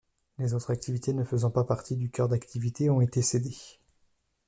Les autres activités ne faisant pas partie du cœur d'activité ont été cédées.